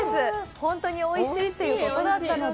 本当においしいということだったので。